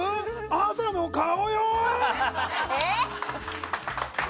朝の顔よ！？